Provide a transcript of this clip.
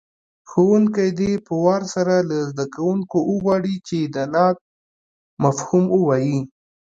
ښوونکی دې په وار سره له زده کوونکو وغواړي چې د نعت مفهوم ووایي.